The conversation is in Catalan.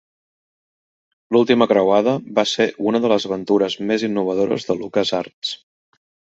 "L'última creuada" va ser una de les aventures més innovadores de LucasArts.